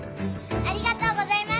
ありがとうございます！